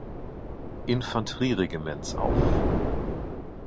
Infanterieregiments auf.